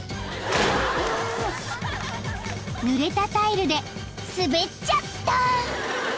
［ぬれたタイルで滑っちゃった］